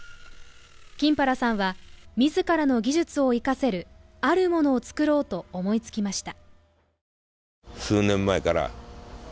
金原さんは、自らの技術を生かせるあるものを作ろうと思いつきました。